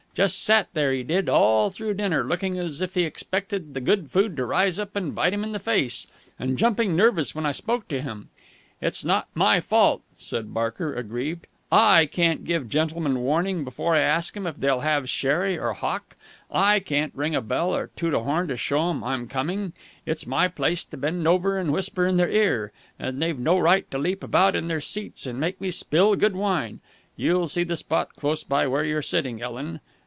Just sat there, he did, all through dinner, looking as if he expected the good food to rise up and bite him in the face, and jumping nervous when I spoke to him. It's not my fault," said Barker, aggrieved. "I can't give gentlemen warning before I ask 'em if they'll have sherry or hock. I can't ring a bell or toot a horn to show 'em I'm coming. It's my place to bend over and whisper in their ear, and they've no right to leap about in their seats and make me spill good wine. (You'll see the spot close by where you're sitting, Ellen.